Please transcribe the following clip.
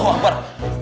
oh allah apaan